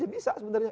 dia bisa sebenarnya